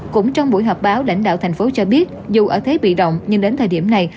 cũng trong buổi họp báo lãnh đạo thành phố cho biết dù ở thế bị động nhưng đến thời điểm này